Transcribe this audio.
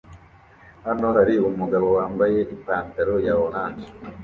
Hano hari umugabo wambaye ipantaro ya orange